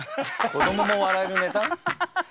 子どもも笑えるネタ？